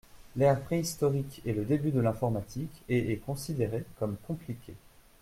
L’ère préhistorique est le début de l’informatique et est considérée comme compliquée.